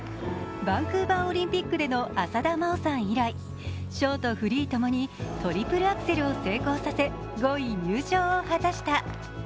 バンクーバーオリンピックでの浅田真央さん以来、ショート、フリーともにトリプルアクセルを成功させ５位入賞を果たした。